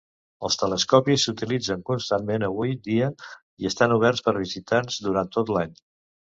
Els telescopis s'utilitzen constantment avui dia i estan oberts pels visitants durant tot l'any.